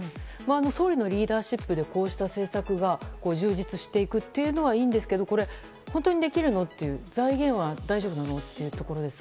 総理のリーダーシップでこうした政策が充実していくのはいいんですけど本当にできるの？という財源は大丈夫なのというところ。